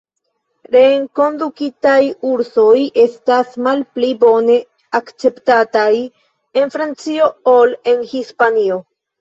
Reenkondukitaj ursoj estas malpli bone akceptataj en Francio ol en Hispanio.